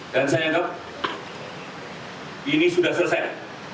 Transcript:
dan saya ingat ini sudah selesai